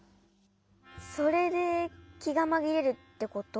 それできがまぎれるってこと？